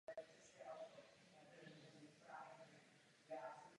S pravou atomovou bombou utekla Victoria na rodinné rybářské lodi.